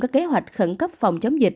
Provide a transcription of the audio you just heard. các kế hoạch khẩn cấp phòng chống dịch